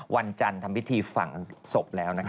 วันจันทร์ทำวิธีฝั่งศพแล้ว